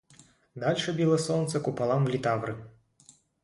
Дальше било солнце куполам в литавры.